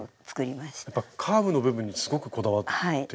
カーブの部分にすごくこだわって。